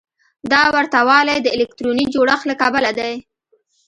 دا ورته والی د الکتروني جوړښت له کبله دی.